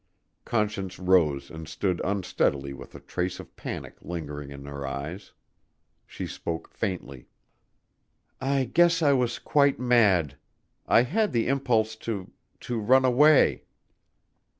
Conscience rose and stood unsteadily with a trace of panic lingering in her eyes. She spoke faintly. "I guess I was quite mad.... I had the impulse to to run away."